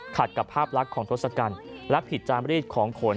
ขัดกับภาพลักษณ์ของทศกัณฐ์และผิดจานบริษฐ์ของโขน